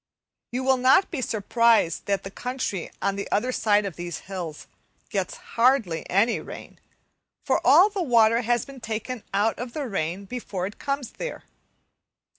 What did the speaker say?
You will not be surprised that the country on the other side of these hills gets hardly any rain, for all the water has been taken out of the air before it comes there.